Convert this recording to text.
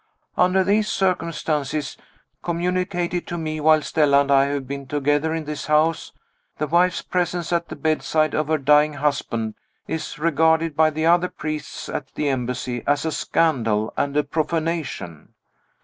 Under these circumstances communicated to me while Stella and I have been together in this house the wife's presence at the bedside of her dying husband is regarded by the other priests at the Embassy as a scandal and a profanation.